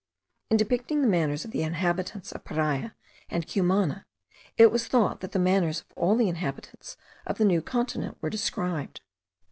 In depicting the manners of the inhabitants of Paria and Cumana, it was thought that the manners of all the inhabitants of the new continent were described.